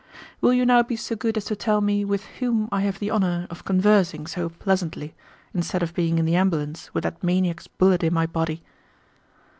"Will you now be so good as to tell me with whom I have the honor of conversing so pleasantly, instead of being in the ambulance with that maniac's bullet in my body?"